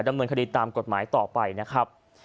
ดำเนินคดีตามกฎหมายต่อไปนะครับ